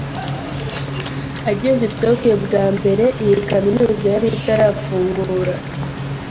Ageze i Tokiyo bwa mbere, iyi kaminuza yari itarafungura.